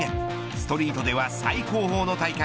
ストリートでは最高峰の大会